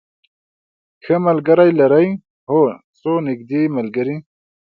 ښه ملګری لرئ؟ هو، څو نږدې ملګری